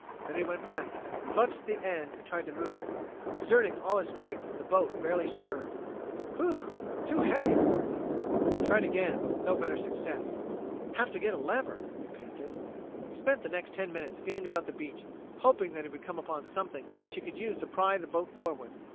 Then he went back, clutched the end and tried to move it. Exerting all his strength, the boat barely stirred. "Whew! Too heavy for me." He tried again, but with no better success. "Have to get a lever," he panted. He spent the next ten minutes feeling about the beach, hoping that he would come upon something which he could use to pry the boat forward.